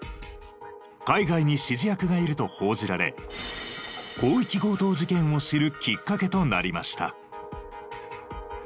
海外に指示役がいると報じられ広域強盗事件を知るきっかけとなりました。